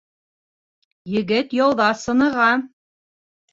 Егет яуҙа сыныға.